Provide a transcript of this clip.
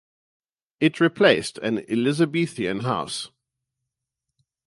It replaced an Elizabethan house.